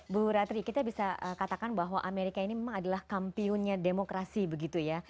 bu ratri kita bisa katakan bahwa amerika ini memang adalah kampiunnya demokrasi begitu ya